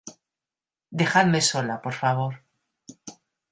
dejadme sola, por favor